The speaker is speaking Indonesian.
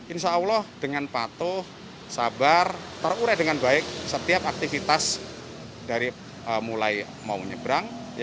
insya allah dengan patuh sabar terurai dengan baik setiap aktivitas dari mulai mau nyebrang